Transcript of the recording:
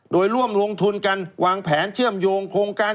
โดยร่วมลงทุนกันวางแผนเชื่อมโยงโครงการ